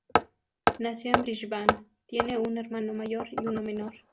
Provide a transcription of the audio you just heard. Nació en Brisbane; tiene un hermano mayor y uno menor.